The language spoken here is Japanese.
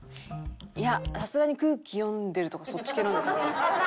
いやさすがに空気読んでるとかそっち系なんじゃ。